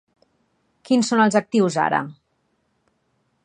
Quins són els actius ara?